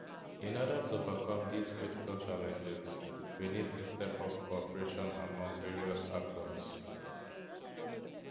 In order to overcome these critical challenges, we need to step up cooperation among various actors.